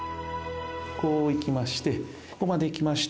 こういきましてここまできまして。